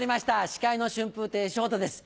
司会の春風亭昇太です。